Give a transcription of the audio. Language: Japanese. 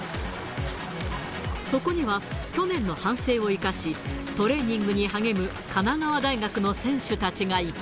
そこには、去年の反省を生かし、トレーニングに励む神奈川大学の選手たちがいた。